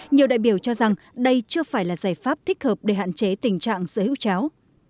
nhiều đại biểu cho rằng đây chưa phải là giải pháp thích hợp để hạn chế tình trạng sở hữu chéo